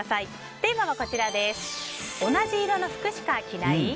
テーマは同じ色の服しか着ない？